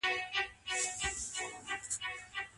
طلاق کله واجب او کله مندوب وي؟